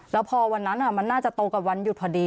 แล้วพอวันนั้นมันน่าจะโตกับวันหยุดพอดี